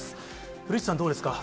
古市さん、どうですか。